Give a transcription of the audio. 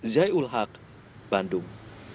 zaiul haq bandung